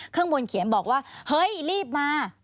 ข้างบนเขียนบอกว่าเฮ้ยรีบมา